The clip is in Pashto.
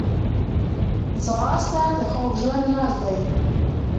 ځغاسته د خوږ ژوند راز دی